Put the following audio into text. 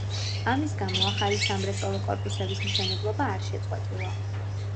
ამის გამო ახალი სამრეწველო კორპუსების მშენებლობა არ შეწყვეტილა.